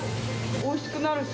おいしくなるっしょ。